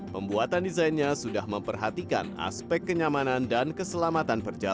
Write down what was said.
pembuatan desainnya sudah memperhatikan aspek kenyamanan dan keselamatan perjalanan